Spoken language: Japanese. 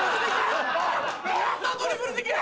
こんなドリブルできる！